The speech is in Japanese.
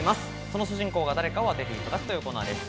その主人公は誰かを当てていただくというコーナーです。